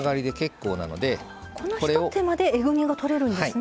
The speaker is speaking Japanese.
このひと手間でえぐみがとれるんですね。